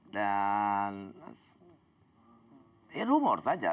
dan rumor saja